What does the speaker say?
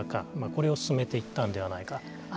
これを進めていったんではないか。